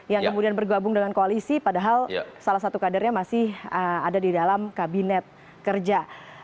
yang kemudian bergabung dengan koalisi padahal salah satu kadernya masih ada di dalam kabinet kerja